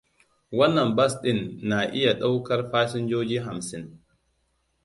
Wannan bas din na iya daukar fasinjoji hamsin.